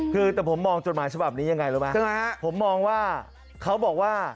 คือแต่ผมมองจดหมายฉบับนี้ยังไงรู้ไหมฮะผมมองว่าเขาบอกว่า